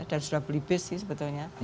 dan sudah beli bis sih sebetulnya